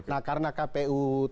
nah karena kpu